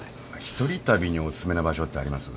一人旅にお薦めな場所ってあります？